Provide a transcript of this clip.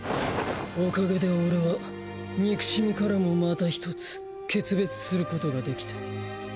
おかげで俺は憎しみからもまた１つ決別することができた。